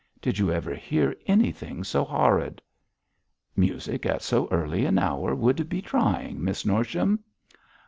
Did you ever hear anything so horrid?' 'Music at so early an hour would be trying, Miss Norsham!'